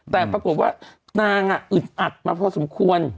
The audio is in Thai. แต่ปรากฏว่านางอึดอัดมาพอสมควร